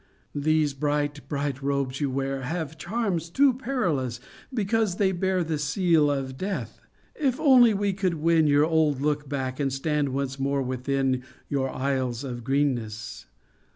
These bright, bright robes you wear Have charms too perilous, because they bear The seal of Death. * If only we could win Your old look back, and stand once more within Your aisles of greenness